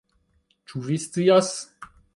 Ĉi vi scias?